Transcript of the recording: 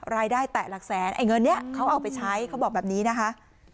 แตะหลักแสนไอ้เงินนี้เขาเอาไปใช้เขาบอกแบบนี้นะคะ